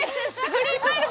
『グリーンマイル』。